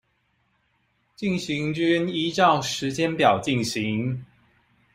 進行均依照時間表進行